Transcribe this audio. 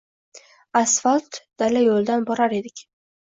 Asfalt dala yo‘lidan borar edik.